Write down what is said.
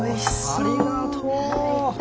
ありがとう。